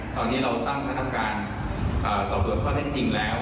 ตอนนี้เราตั้งการสอบเติบข้อเท็จจริงแล้ว